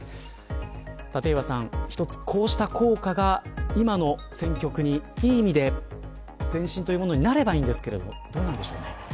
立岩さん、一つこうした効果が今の戦局に、いい意味で前進というものになればいいんですがどうなんでしょうか。